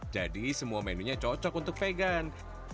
jadi semua menunya cocok untuk vegan